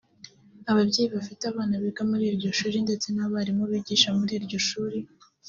ababyeyi bafite abana biga muri iryo shuri ndetse n’abarimu bigisha muri iryo shuri